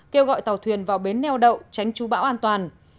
kêu gọi tàu thuyền vào bến neo đậu tránh chú bão an toàn